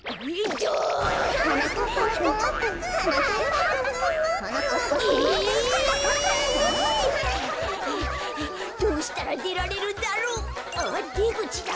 はあはあどうしたらでられるんだろう？あっでぐちだ。